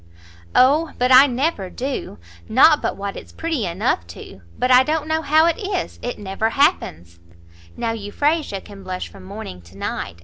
"O but I never do! not but what it's pretty enough too; but I don't know how it is, it never happens. Now Euphrasia can blush from morning to night.